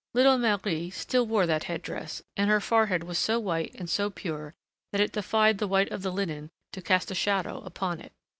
Little Marie still wore that head dress, and her forehead was so white and so pure that it defied the white of the linen to cast a shadow upon it.